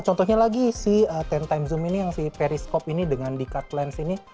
contohnya lagi si sepuluh x zoom ini yang si periscope ini dengan dekat lens ini